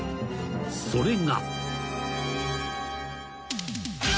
［それが］